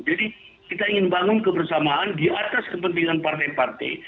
jadi kita ingin bangun kebersamaan di atas kepentingan partai partai